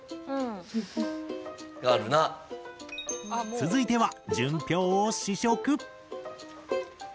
続いては純氷を試食！